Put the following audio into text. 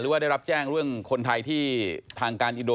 ว่าได้รับแจ้งเรื่องคนไทยที่ทางการอินโด